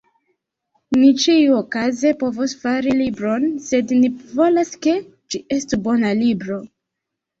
Ni ĉiuokaze povos fari libron, sed ni volas ke ĝi estu bona libro.